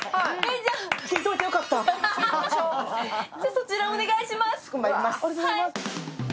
そちらをお願いします。